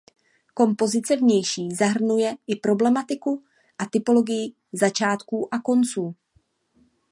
Kompozice vnější zahrnuje i problematiku a typologii začátků a konců.